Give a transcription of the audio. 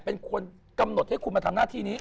เป็นคนกำหนดให้คุณมาทำหน้าที่นี้